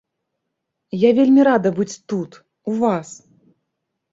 Я вельмі рада быць тут, у вас.